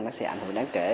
nó sẽ ảnh hưởng đáng kể